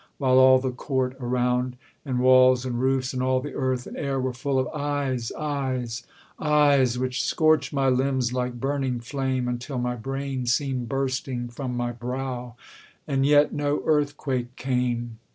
While all the court around, and walls, and roofs, And all the earth and air were full of eyes, Eyes, eyes, which scorched my limbs like burning flame, Until my brain seemed bursting from my brow: And yet no earthquake came!